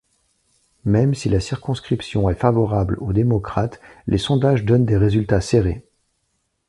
Même si la circonscription est favorable aux démocrates, les sondages donnent des résultats serrés.